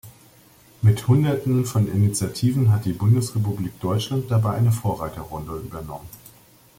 Mit Hunderten von Initiativen hat die Bundesrepublik Deutschland dabei eine Vorreiterrolle übernommen.